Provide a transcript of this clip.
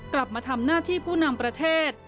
กลับมาทำหน้าที่ผู้นำประเทศ